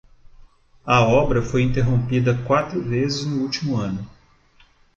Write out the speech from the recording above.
A obra foi interrompida quatro vezes no último ano